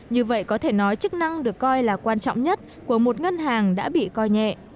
như vậy có thể nói chức năng được coi là quan trọng nhất của một ngân hàng đã bị coi nhẹ